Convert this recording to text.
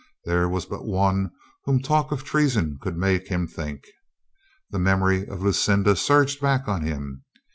There was but one of whom talk of treason could make him think. The memory of Lucinda surged back on him.